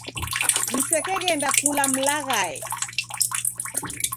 Msekeghenda kula mlaghae.